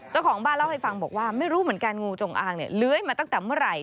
เจ้าของบ้านเล่าให้ฟังบอกว่าไม่รู้เหมือนกันงูจงอางเนี่ยเลื้อยมาตั้งแต่เมื่อไหร่